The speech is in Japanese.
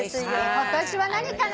今年は何かな？